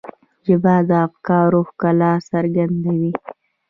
ژبه د افکارو ښکلا څرګندوي